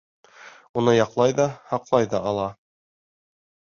Уны яҡлай ҙа, һаҡлай ҙа ала.